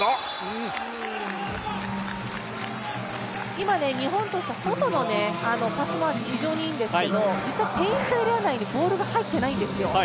今、日本としては外のパス回し、非常にいいんですけど、実はペイントエリア内に入っていないんですよ。